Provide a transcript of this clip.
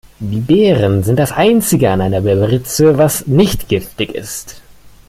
Die Beeren sind das einzige an einer Berberitze, was nicht giftig ist.